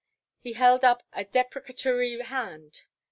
He held up a deprecatory hand.